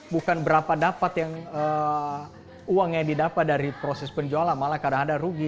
bukan berapa dapat yang uangnya didapat dari proses penjualan malah kadang ada rugi